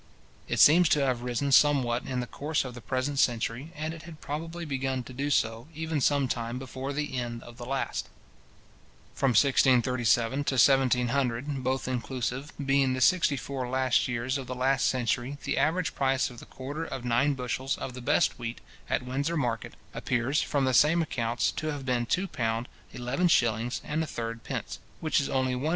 It seems to have risen somewhat in the course of the present century, and it had probably begun to do so, even some time before the end of the last. From 1637 to 1700, both inclusive, being the sixty four last years of the last century the average price of the quarter of nine bushels of the best wheat, at Windsor market, appears, from the same accounts, to have been £ 2:11:0 1/3, which is only 1s.